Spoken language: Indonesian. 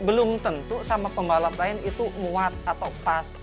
belum tentu sama pembalap lain itu muat atau pas